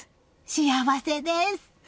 幸せです！